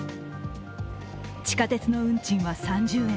地下鉄の運賃は３０円